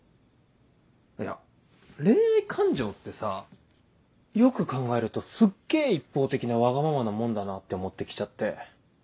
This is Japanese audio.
いや恋愛感情ってさよく考えるとすっげぇ一方的なわがままなもんだなって思ってきちゃって。